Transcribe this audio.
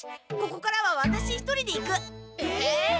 ここからはワタシ一人で行く！えっ！？